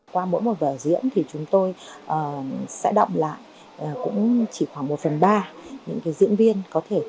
qua mỗi một vờ diễn thì chúng tôi sẽ động lại cũng chỉ khoảng một phần ba những diễn viên có thể tiếp tục